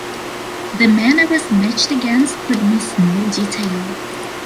The men I was matched against would miss no detail.